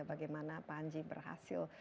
bagaimana panji berhasil